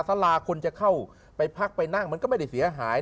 สาราคนจะเข้าไปพักไปนั่งมันก็ไม่ได้เสียหาย